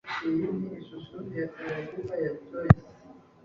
bibonemo yewe zikebehe ekerengemuntu